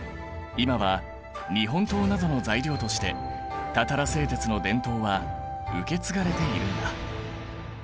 今は日本刀などの材料としてたたら製鉄の伝統は受け継がれているんだ。